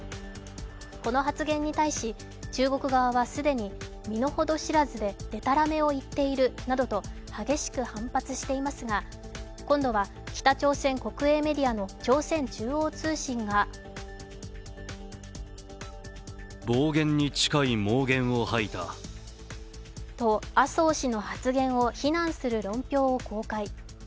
この発言に対し、中国側は既に身の程知らずで、でたらめを言っているなどと激しく反発していますが、今度は北朝鮮国営メディアの朝鮮中央通信がと、麻生氏の発言を非難する論評を公開。